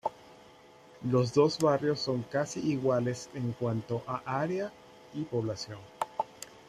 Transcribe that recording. Los dos barrios son casi iguales en cuanto a área y población.